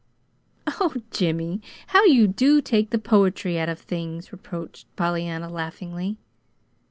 "Oh, Jimmy, how you do take the poetry out of things," reproached Pollyanna, laughingly.